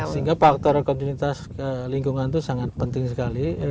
sehingga faktor kontinuitas lingkungan itu sangat penting sekali